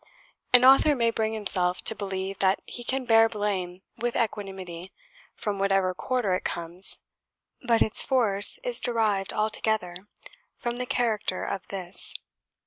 An author may bring himself to believe that he can bear blame with equanimity, from whatever quarter it comes; but its force is derived altogether from the character of this.